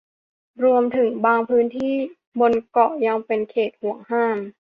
รวมถึงบางพื้นที่บนเกาะยังเป็นเขตหวงห้าม